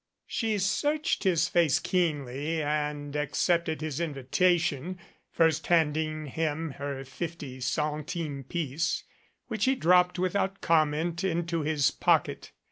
She searched his face keenly and accepted his invita tion, first handing him her fifty centime piece, which he dropped without comment into his pocket.